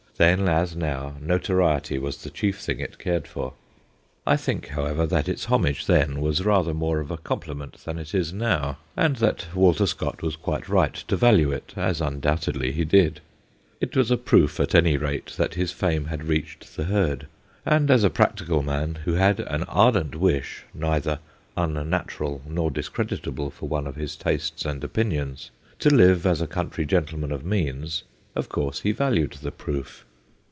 Then, as now, notoriety was the chief thing it cared for. I think, however, that its homage then was rather more of a compli ment than it is now, and that Walter Scott was quite right to value it, as undoubtedly he did. It was a proof, at any rate, that his fame had reached the herd, and as a practical man who had an ardent wish, neither unnatural nor discreditable for one of his tastes and opinions, to live as a country gentleman of means, of course he valued the proof.